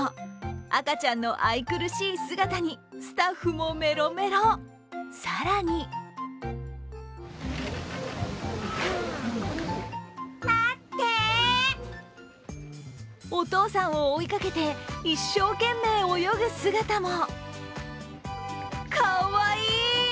赤ちゃんの愛くるしい姿にスタッフもメロメロ、更にお父さんを追いかけて一生懸命泳ぐ姿も。